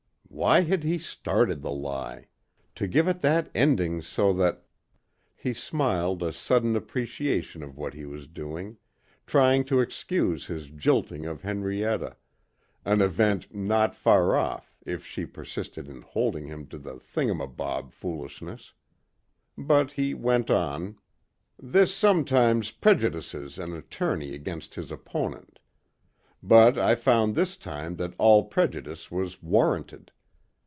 Why had he started the lie? To give it that ending so that.... He smiled a sudden appreciation of what he was doing trying to excuse his jilting of Henrietta an event not far off if she persisted in holding him to the thingumabob foolishness. But he went on: "This sometimes prejudices an attorney against his opponent. But I found this time that all prejudice was warranted.